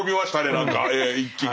何か一気に。